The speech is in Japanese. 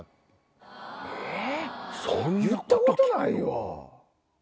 言ったことないわ。